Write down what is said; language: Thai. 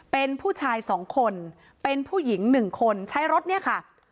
เป็นผู้ชาย๒คนเป็นผู้หญิง๑คนใช้รถเนี่ยค่ะ